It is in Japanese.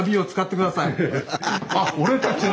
あっ「俺たちの」！